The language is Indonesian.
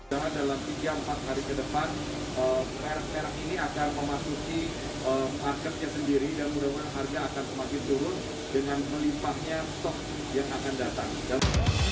karena dalam tiga empat hari ke depan perak perak ini akan memasuki marketnya sendiri dan mudah mudahan harga akan semakin turun dengan melimpahnya tok yang akan datang